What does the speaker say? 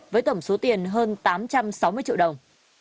với tổng số tiền hơn tám trăm sáu mươi triệu đồng